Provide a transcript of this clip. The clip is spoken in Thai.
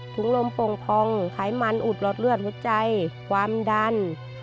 ลมโป่งพองไขมันอุดหลอดเลือดหัวใจความดัน